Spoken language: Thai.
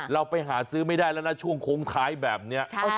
เราไปหาซื้อไม่ได้แล้วนะช่วงโค้งท้ายแบบนี้